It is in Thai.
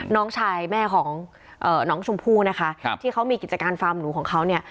น้องชายแม่ของน้องชมพู่นะคะที่เขามีกิจการฟาร์มหนูของเขาเนี่ย